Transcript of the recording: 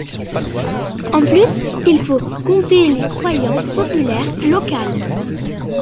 En plus, il faut compter les croyances populaires locales.